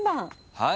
はい。